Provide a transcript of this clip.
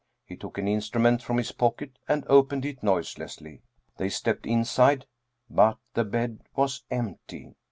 He took an instrument from his pocket and opened it noiselessly. They stepped inside, but the bed was empty.